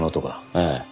ええ。